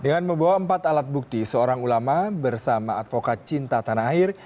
dengan membawa empat alat bukti seorang ulama bersama advokat cinta tanah air